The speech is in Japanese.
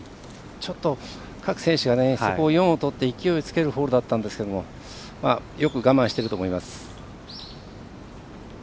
ちょっと、各選手がそこ４をとって勢いつけるホールだったんですけどよく我慢してると思います。